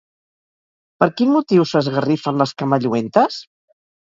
Per quin motiu s'esgarrifen les camalluentes?